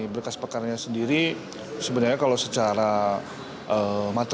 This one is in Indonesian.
berkas pekarnya sendiri sebenarnya kalau secara matematik